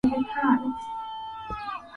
inaelimika sana kuhusu adhari za kimazingira